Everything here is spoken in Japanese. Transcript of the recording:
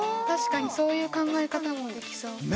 確かにそういう考え方もできそう。